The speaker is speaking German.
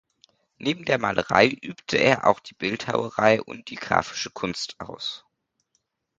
Neben der Malerei übte er auch die Bildhauerei und die grafische Kunst aus.